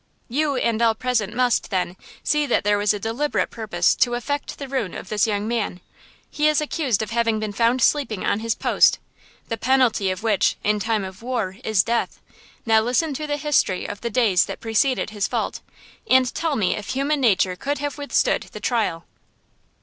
You and all present must, then, see that there was a deliberate purpose to effect the ruin of this young man. He is accused of having been found sleeping on his post, the penalty of which, in time of war, is death. Now listen to the history of the days that preceded his fault, and tell me if human nature could have withstood the trial?"